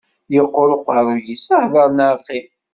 Yeqqur uqerruy-is, hder neɣ qqim.